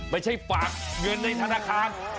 ไม่ใช่ฝากเงินในธนาคาร